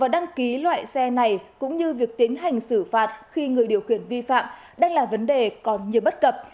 đăng ký loại xe này cũng như việc tiến hành xử phạt khi người điều khiển vi phạm đang là vấn đề còn nhiều bất cập